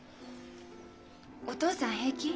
お父さん平気？